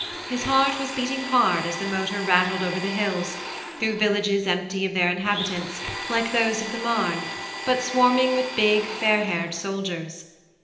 His heart was beat ing hard as the motor rattled over the hills, through villages empty of their inhabitants, like those of the Marne, but swarming with big fair haired soldiers.